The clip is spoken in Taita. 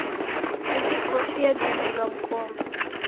Ihi koshi yedumbulwa mkomba.